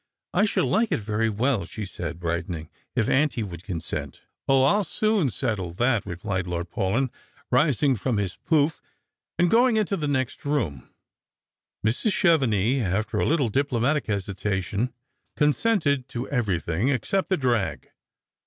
" I should like it very well," she said, brightening, " if auntie would consent." IGO Strangers and Pilgrims. " O, I'll soon settle that," replied Lord Paulyn, rising from ais pouff, and going into the next room. Mrs. Chevenix, after a little diplomatic hesitation, conseated to everything except the drag.